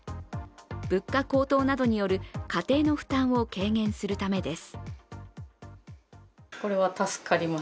物価高騰などによる家庭の負担を軽減するためです。